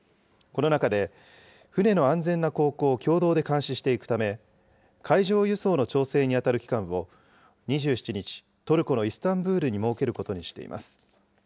この中で、船の安全な航行を共同で監視していくため、海上輸送の調整に当たる機関を２７日、トルコのイスタンブールに設けることにしています。